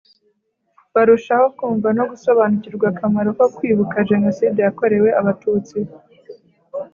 barushaho kumva no gusobanukirwa akamaro ko kwibuka Jenoside yakorewe Abatutsi